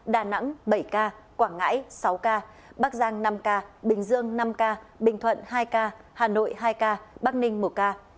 đà nẵng bảy ca quảng ngãi sáu ca bắc giang năm ca bình dương năm ca bình thuận hai ca hà nội hai ca bắc ninh một ca